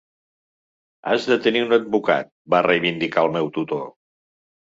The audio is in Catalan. "Has de tenir un advocat", va reivindicar el meu tutor.